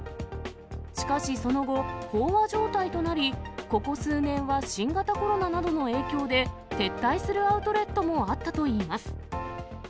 しかしその後、飽和状態となり、ここ数年は新型コロナなどの影響で、撤退するアウトレットもあったといいます。